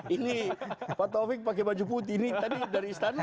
ini pak taufik pakai baju putih ini tadi dari istana